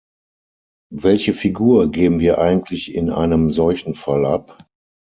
Welche Figur geben wir eigentlich in einem solchen Fall ab?